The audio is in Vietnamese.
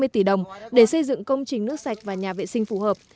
ba mươi tỷ đồng để xây dựng công trình nước sạch và nhà vệ sinh phù hợp